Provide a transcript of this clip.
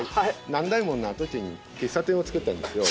南大門の跡地に喫茶店を作ったんですよ。